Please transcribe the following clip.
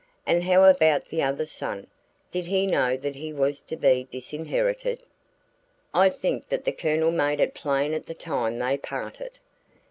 And how about the other son? Did he know that he was to be disinherited?" "I think that the Colonel made it plain at the time they parted."